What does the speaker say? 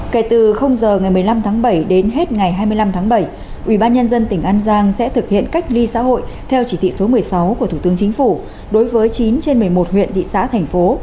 kể từ giờ ngày một mươi năm tháng bảy đến hết ngày hai mươi năm tháng bảy ubnd tỉnh an giang sẽ thực hiện cách ly xã hội theo chỉ thị số một mươi sáu của thủ tướng chính phủ đối với chín trên một mươi một huyện thị xã thành phố